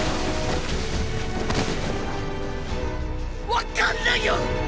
分かんないよ！